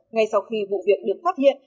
ngay sau khi vụ việc được phát hiện